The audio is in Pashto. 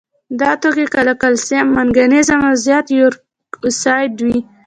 دا توکي کله کلسیم، مګنیزیم او زیات یوریک اسید وي.